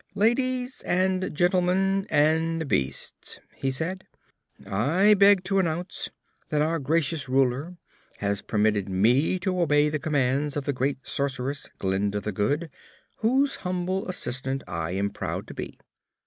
"Ladies and gentlemen and beasts," he said, "I beg to announce that our Gracious Ruler has permitted me to obey the commands of the great Sorceress, Glinda the Good, whose humble Assistant I am proud to be.